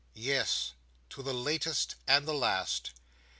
Yes, to the latest and the last.